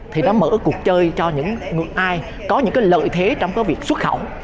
thì nó mở cuộc chơi cho những ai có những cái lợi thế trong cái việc xuất khẩu